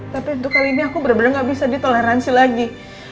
tapi untuk kali ini aku benar benar gak bisa ditoleransi lagi